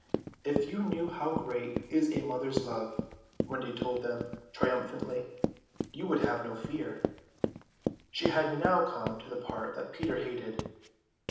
"If you knew how great is a mother's love," Wendy told them triumphantly, "you would have no fear." She had now come to the part that Peter hated.